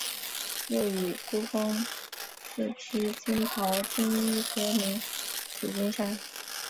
又以孤峰似披紫袍金衣得名紫金山。